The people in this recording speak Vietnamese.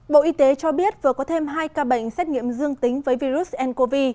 bộ y tế cho biết vừa có thêm hai ca bệnh xét nghiệm dương tính với virus ncov